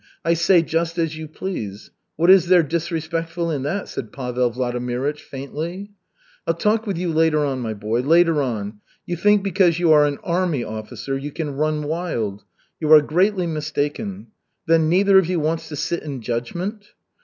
I say, just as you please. What is there disrespectful in that?" said Pavel Vladimirych, faintly. "I'll talk with you later on, my boy, later on. You think because you are an army officer, you can run wild. You are greatly mistaken. Then neither of you wants to sit in judgment?"